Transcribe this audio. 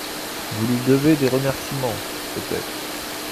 Vous lui devez des remerciements, peut-être.